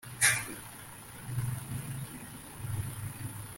mu minsi yambere yamateka yabanyamerika, abirabura babayeho mubucakara